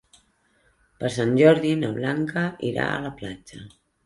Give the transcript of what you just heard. Per Sant Jordi na Blanca irà a la platja.